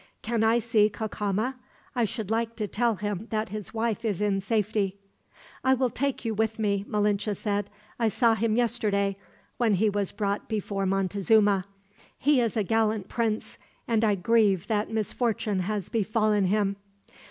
"Can I see Cacama? I should like to tell him that his wife is in safety." "I will take you with me," Malinche said. "I saw him yesterday, when he was brought before Montezuma. He is a gallant prince, and I grieve that misfortune has befallen him."